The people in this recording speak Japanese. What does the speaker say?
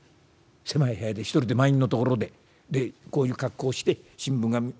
狭い部屋で一人で満員の所ででこういう格好をして新聞紙。